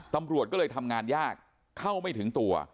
ตำรวจก็เลยทำงานยากเข้าไม่ถึงตัว